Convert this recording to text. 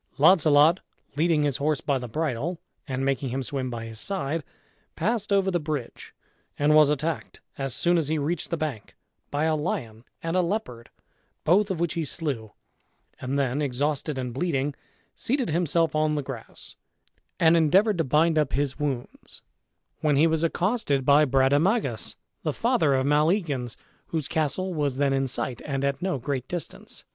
Launcelot, leading his horse by the bridle, and making him swim by his side, passed over the bridge, and was attacked as soon as he reached the bank by a lion and a leopard, both of which he slew, and then, exhausted and bleeding, seated himself on the grass, and endeavored to bind up his wounds, when he was accosted by Brademagus, the father of Maleagans, whose castle was then in sight, and at no great distance.